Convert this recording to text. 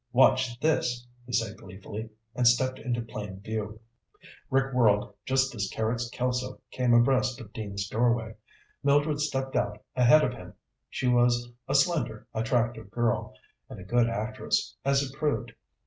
"Watch this!" he said gleefully, and stepped into plain view. Rick whirled just as Carrots Kelso came abreast of Dean's doorway. Mildred stepped out ahead of him. She was a slender, attractive girl, and a good actress, as it proved.